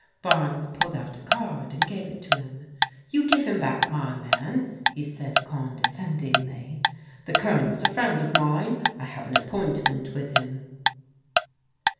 Barnes pulled out a card and gave it to him. " You give him that, my man," he said condescendingly. " The Colonel's a friend of mine. I have an appointment with him.''